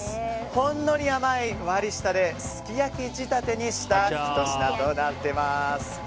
ほんのり甘い割り下ですき焼き仕立てにしたひと品となっています。